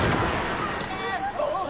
あっ！